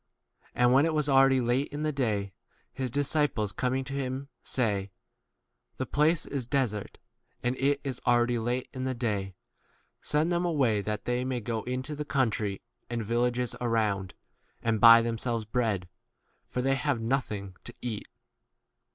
And when it was already late in the day, his disciples coming to him say, The place is desert, and it is 36 already late in the day ; send them away that they may go into the country and villages around, and buy themselves bread, for 3 ? they have nothing to eat.